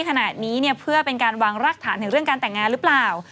ขนาดนี้เนี่ยเพื่อเป็นการวางรากฐานถึงเรื่องการแต่งงานหรือเปล่า